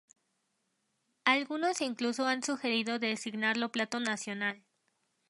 Algunos incluso han sugerido designarlo plato nacional.